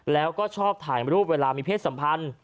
แล้วก็ชอบถ่ายรูปเวลามีเพศสัมพันธ์